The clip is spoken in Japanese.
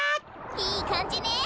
いいかんじね。